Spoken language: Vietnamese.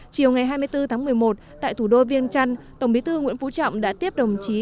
chiều ngày hai mươi bốn tháng một mươi một tại thủ đô viên trăn tổng bí thư nguyễn phú trọng đã tiếp đồng chí